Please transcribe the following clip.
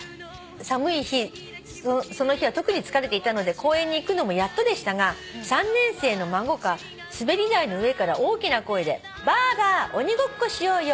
「寒い日その日は特に疲れていたので公園に行くのもやっとでしたが３年生の孫が滑り台の上から大きな声で『ばあば鬼ごっこしようよ。